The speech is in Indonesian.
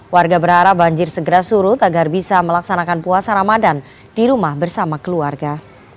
warga berharap banjir segera surut agar bisa melaksanakan puasa ramadan di rumah bersama keluarga